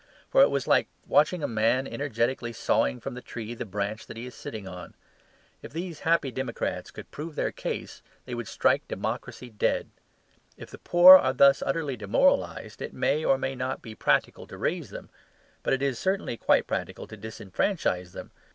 For it was like watching a man energetically sawing from the tree the branch he is sitting on. If these happy democrats could prove their case, they would strike democracy dead. If the poor are thus utterly demoralized, it may or may not be practical to raise them. But it is certainly quite practical to disfranchise them.